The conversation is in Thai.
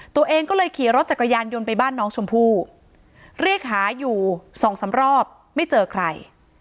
ตัวเองก็เลยขี่รถจักรยานยนต์ไปบ้านน้องชมพู่เรียกหาอยู่สองสามรอบไม่เจอใคร